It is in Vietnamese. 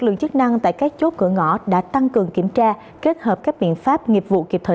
lượng chức năng tại các chốt cửa ngõ đã tăng cường kiểm tra kết hợp các biện pháp nghiệp vụ kịp thời